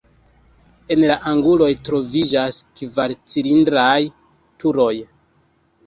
En la anguloj troviĝas kvar cilindraj turoj.